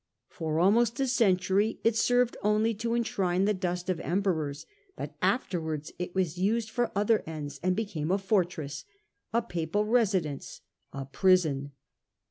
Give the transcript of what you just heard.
For almost a century it served only to enshrine the dust of Emperors, but afterwards it was used for other ends, and became a fortress, a papal residence, a prison.